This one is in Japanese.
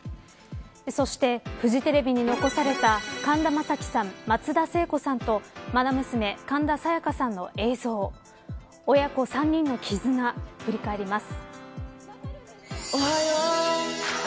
そして、フジテレビに残された神田正輝さん、松田聖子さんとまな娘、神田沙也加さんの映像親子３人の絆を振り返ります。